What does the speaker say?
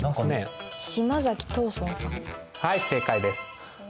はい正解です。